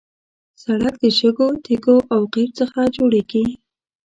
سړک د شګو، تیږو او قیر څخه جوړېږي.